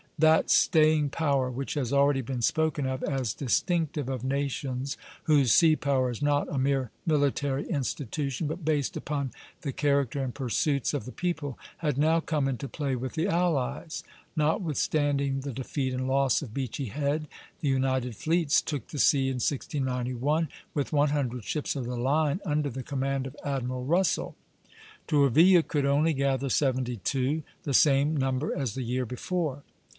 That staying power, which has already been spoken of as distinctive of nations whose sea power is not a mere military institution, but based upon the character and pursuits of the people, had now come into play with the allies. Notwithstanding the defeat and loss of Beachy Head, the united fleets took the sea in 1691 with one hundred ships of the line under the command of Admiral Russell. Tourville could only gather seventy two, the same number as the year before.